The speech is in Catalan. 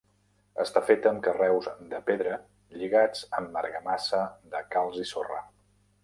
Està feta amb carreus de pedra lligats amb argamassa de calç i sorra.